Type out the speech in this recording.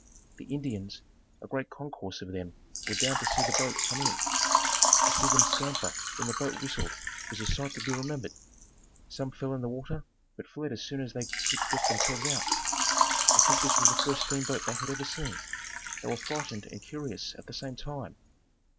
The Indians, a great concourse of them were down to see the boat come in. To see them scamper when the boat whistled was a sight to be remembered. Some fell in the water, but fled as soon as they could get themselves out. I think this was the first steamboat they had ever seen. They were frightened and curious at the same time.